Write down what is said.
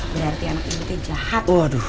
berarti anak ibu saya jahat